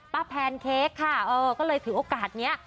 แพนเค้กค่ะก็เลยถือโอกาสนี้